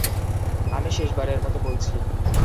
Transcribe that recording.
আমি শেষবারের মতো বলছি।